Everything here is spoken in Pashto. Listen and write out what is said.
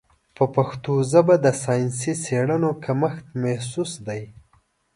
په پښتو ژبه د ساینسي څېړنو کمښت محسوس دی.